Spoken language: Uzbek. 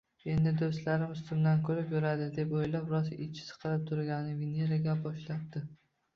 “Endi doʻstlarim ustimdan kulib yuradi”, deb oʻylab rosa ichi siqilib turganida, Venera gap boshlabdi: